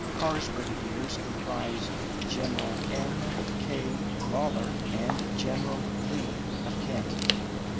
Carr's brigadiers comprise General M. K. Lawler and General Lee, of Kansas.